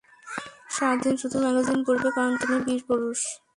সারাদিন শুধু ম্যাগাজিন পড়বে, কারণ তুমি বীরপুরুষ।